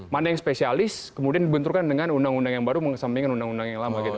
mana yang spesialis kemudian dibenturkan dengan undang undang yang baru mengesampingkan undang undang yang lama gitu